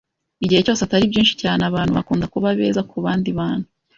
Igihe cyose atari byinshi cyane, abantu bakunda kuba beza kubandi bantu.